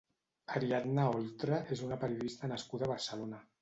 Ariadna Oltra és una periodista nascuda a Barcelona.